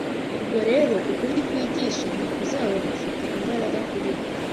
ubwo rero ukuri twigisha ntikuzaba kugifite imbaraga kuri bo